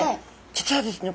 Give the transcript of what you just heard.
実はですね